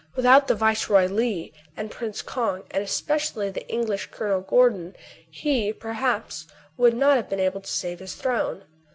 Without the Viceroy Li, and Prince Kong, and especially the . English Colonel Gordon, he, per haps, would not have been able to save his throne.